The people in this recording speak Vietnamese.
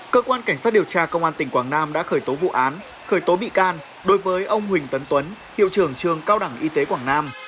cơ quan cảnh sát điều tra công an tỉnh quảng nam đã khởi tố vụ án khởi tố bị can đối với ông huỳnh tấn tuấn hiệu trưởng trường cao đẳng y tế quảng nam